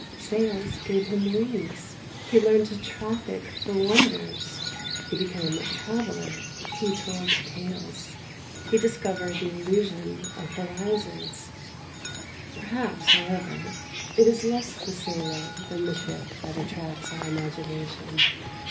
Sails gave him wings. He learned to traffic for wonders. He became a traveller. He told tales. He discovered the illusion of horizons. Perhaps, however, it is less the sailor than the ship that attracts our imagination.